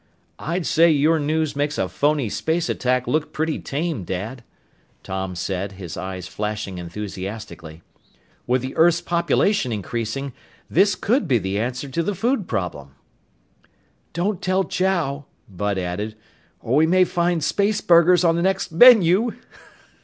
"I'd say your news makes a phony space attack look pretty tame, Dad," Tom said, his eyes flashing enthusiastically. "With the earth's population increasing, this could be the answer to the food problem." "Don't tell Chow," Bud added, "or we may find spaceburgers on the next menu!"